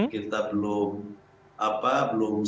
kita belum apa belum